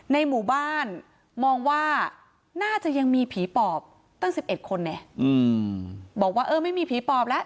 ในหมู่บ้านมองว่าน่าจะยังมีผีปอบตั้ง๑๑คนบอกว่าเออไม่มีผีปอบแล้ว